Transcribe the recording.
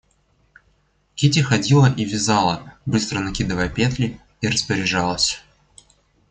Кити ходила и вязала, быстро накидывая петли, и распоряжалась.